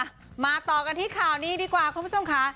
มาต่อกันที่ข่าวนี้ดีกว่าคุณผู้ชมค่ะ